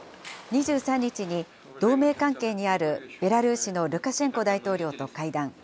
２３日に同盟関係にあるベラルーシのルカシェンコ大統領と会談。